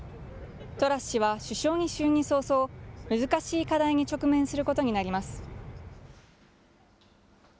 トラス氏は首相に就任早々、難しい課題に直面することになります。